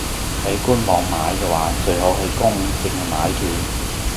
喺官網買嘅話，最好係供定係買斷?